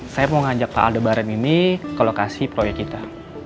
saya mau ngajak pak aldo baren ini ke lokasi proyek kita